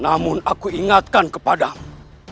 namun aku ingatkan kepadamu